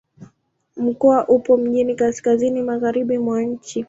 Mkoa upo mjini kaskazini-magharibi mwa nchi.